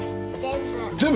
全部。